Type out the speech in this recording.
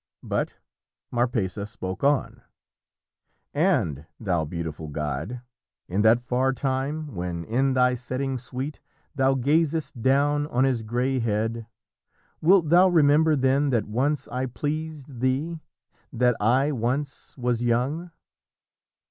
But Marpessa spoke on: "And thou beautiful god, in that far time, When in thy setting sweet thou gazest down On his grey head, wilt thou remember then That once I pleased thee, that I once was young?"